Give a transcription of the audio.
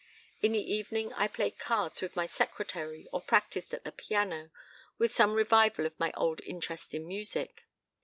In the evening I played cards with my secretary or practised at the piano, with some revival of my old interest in music.